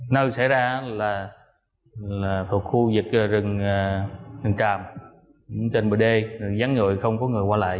nơi xảy ra là thuộc khu vực rừng tràm trên bd rừng gián người không có người qua lại